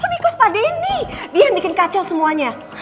hah itu karena pak denny dia yang bikin kacau semuanya